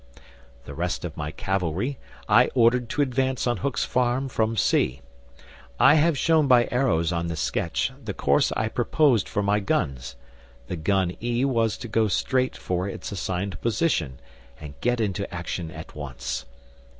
The rest of my cavalry I ordered to advance on Hook's Farm from C. I have shown by arrows on the sketch the course I proposed for my guns. The gun E was to go straight for its assigned position, and get into action at once.